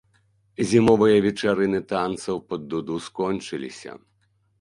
Зімовыя вечарыны танцаў пад дуду скончыліся.